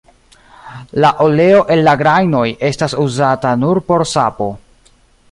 La oleo el la grajnoj estas uzata nur por sapo.